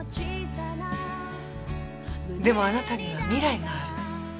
でもあなたには未来がある。